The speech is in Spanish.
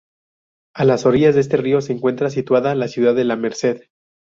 A las orillas de este río se encuentra situada la ciudad de La Merced.